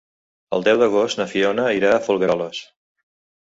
El deu d'agost na Fiona irà a Folgueroles.